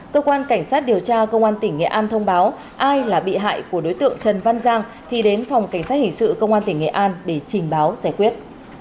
cơ quan cảnh sát điều tra công an tỉnh nghệ an thông báo ai là bị hại của đối tượng trần văn giang thì đến phòng cảnh sát hình sự công an tỉnh nghệ an để trình báo giải quyết